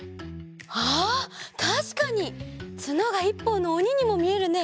あったしかにツノが１ぽんのおににもみえるね。